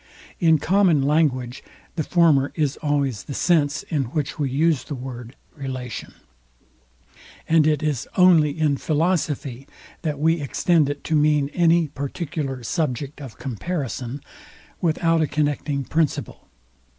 In common language the former is always the sense, in which we use the word, relation; and it is only in philosophy, that we extend it to mean any particular subject of comparison, without a connecting principle.